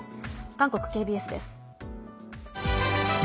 韓国ＫＢＳです。